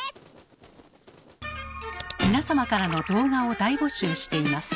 皆様からの動画を大募集しています。